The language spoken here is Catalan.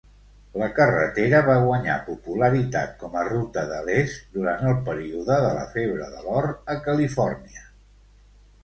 La carretera va guanyar popularitat com a ruta de l'est durant el període de la febre de l'or a Califòrnia.